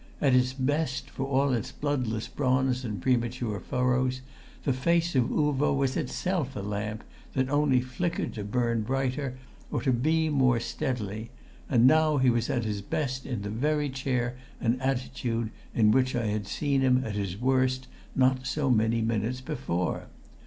At its best, for all its bloodless bronze and premature furrows, the face of Uvo was itself a lamp, that only flickered to burn brighter, or to beam more steadily; and now he was at his best in the very chair and attitude in which I had seen him at his worst not so many minutes before.